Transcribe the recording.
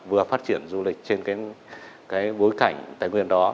vừa phát triển du lịch trên cái bối cảnh tài nguyên đó